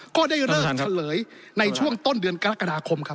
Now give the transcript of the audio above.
ก็ได้เลิกเฉลยในช่วงต้นเดือนกรกฎาคมครับ